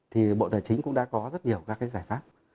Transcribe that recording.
thì bộ tài chính cũng đã có rất nhiều các cái giải pháp